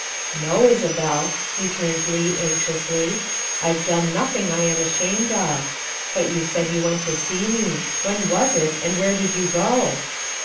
" No, Isabel," returned Leigh anxiously, " I've done nothing I am ashamed of. But you said you went to see me. When was it, and where did you go